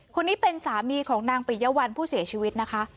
คนนี้เป็นสามีของนางปิยวัลผู้เสียชีวิตนะคะ